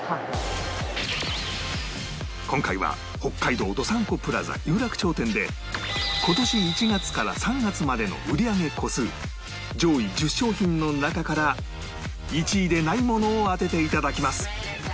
今回は北海道どさんこプラザ有楽町店で今年１月から３月までの売り上げ個数上位１０商品の中から１位でないものを当てていただきます